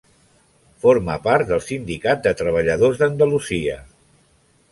Forma part del Sindicat de Treballadors d'Andalusia.